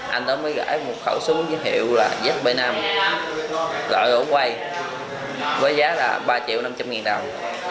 anh đó mới gửi một khẩu súng với hiệu là zb năm loại ổ quay với giá là ba triệu năm trăm linh nghìn đồng